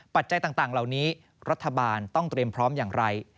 ปัจจัยต่างเหล่านี้รัฐบาลต้องเตรียมพร้อมอย่างไร